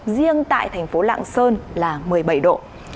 riêng tại thành phố lạng sơn là một mươi bảy độ